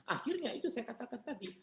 akhirnya itu saya katakan tadi